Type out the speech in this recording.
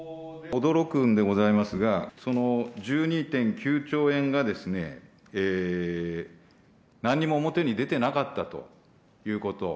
驚くんでございますが、その１２．９兆円がですね、なんにも表に出ていなかったということ。